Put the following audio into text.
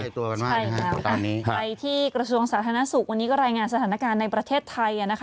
ไปที่กระทรวงสาธารณสุขวันนี้ก็รายงานสถานการณ์ในประเทศไทย